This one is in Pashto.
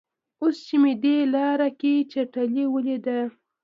اوس چې مې دې لاره کې چټلي ولیده.